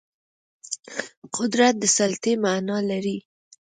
قدرت د سلطې معنا لري